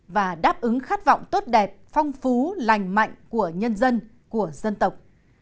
và đáp ứng khát vọng tốt đẹp phong phú lành mạnh của nhân dân của dân tộc